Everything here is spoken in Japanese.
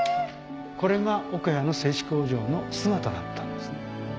これが岡谷の製糸工場の姿だったんですね。